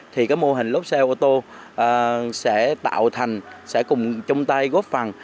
thì cái mô hình lốp xe ô tô sẽ tạo thành sẽ cùng chung tay góp phần